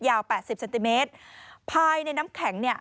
แปดสิบเซนติเมตรภายในน้ำแข็งเนี่ย